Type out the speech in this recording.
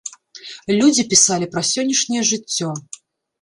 Людзі пісалі пра сённяшняе жыццё.